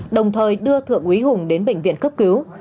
đồng thời đưa thượng quý hùng đến bệnh viện cấp cứu